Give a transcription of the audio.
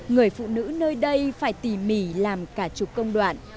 người phụ nữ nơi đây phải tỉ mỉ làm cả chục công đoạn